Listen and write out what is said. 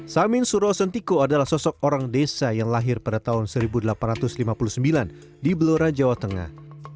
samin surosentiko adalah sosok orang desa yang lahir pada tahun seribu delapan ratus lima puluh sembilan di belora jawa tengah